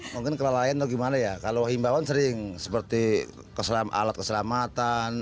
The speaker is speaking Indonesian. mungkin kelalaian atau gimana ya kalau himbawan sering seperti alat keselamatan